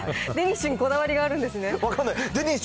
デニッシュにこだわりがあるんですね。